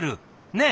ねえ！